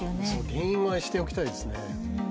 原因は知っておきたいですね。